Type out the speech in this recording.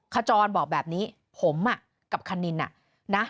ขจรบอกแบบนี้ผมกับคณินนะ